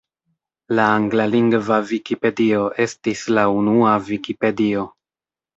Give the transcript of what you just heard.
La anglalingva Vikipedio estis la unua Vikipedio.